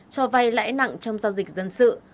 cho vay lãi nặng trong giao dịch dân sự